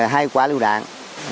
hai quả lưu đạn